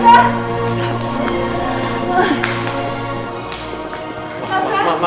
tidak ada masanya